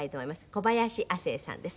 小林亜星さんです。